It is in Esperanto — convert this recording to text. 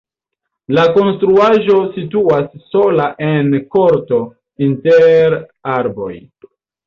La konstruaĵo situas sola en korto inter arboj.